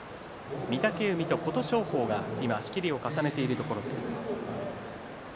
御嶽海と琴勝峰が今仕切りを重ねているところです。